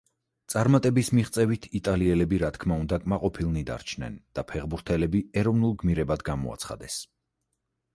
წარმატების მიღწევით იტალიელები, რა თქმა უნდა, კმაყოფილნი დარჩნენ და ფეხბურთელები ეროვნულ გმირებად გამოაცხადეს.